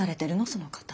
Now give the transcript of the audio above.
その方。